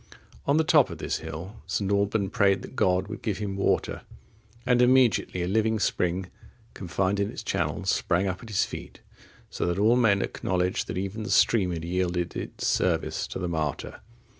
On the top of this hill, St. Alban prayed that God would give him water, and immediately a living spring, confined in its channel, sprang up at his feet, so that all men acknowledged that even the stream had yielded its service to the martyr.